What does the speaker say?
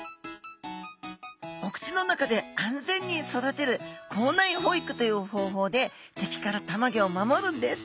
お口の中で安全に育てる口内保育という方法で敵から卵を守るんです。